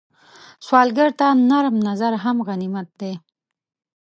سوالګر ته نرم نظر هم غنیمت دی